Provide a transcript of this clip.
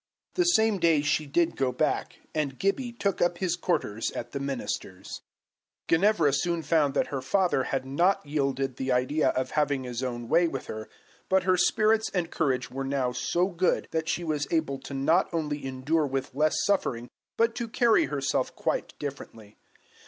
The same day she did go back, and Gibbie took up his quarters at the minister's. Ginevra soon found that her father had not yielded the idea of having his own way with her, but her spirits and courage were now so good, that she was able not only to endure with less suffering, but to carry herself quite differently.